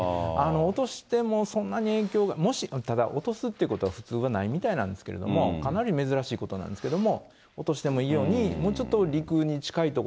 落としてもそんなに影響が、ただ落とすってことは、普通はないみたいなんですけれども、かなり珍しいことなんですけど、落としてもいいように、もうちょっと陸に近い所。